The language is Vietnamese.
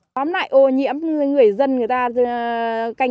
tóm lại ô nhiễm người dân người ta